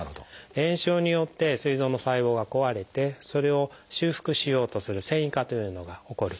炎症によってすい臓の細胞が壊れてそれを修復しようとする「線維化」というのが起こる。